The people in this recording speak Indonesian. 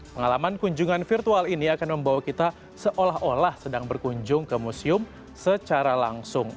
pengalaman kunjungan virtual ini akan membawa kita seolah olah sedang berkunjung ke museum secara langsung